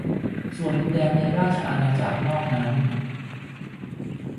ส่วนดินแดนในราชอาณาจักรนอกนั้น